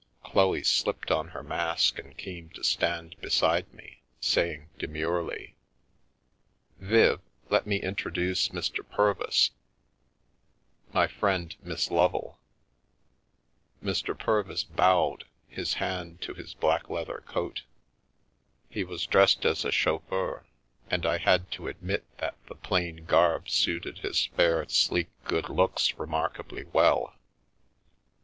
Chloe slipped on her mask and came to stand beside me, saying demurely: " Viv, let me introduce Mr. Purvis. My friend Miss Lovel." The Rape of the Lock Mr. Purvis bowed, his hand to his black leather coat. He was dressed as a chauffeur, and I had to admit that the plain garb suited his fair, sleek good looks remark ably well.